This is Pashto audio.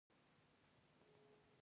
هر څه چې ما لازم ګڼل وبه شي.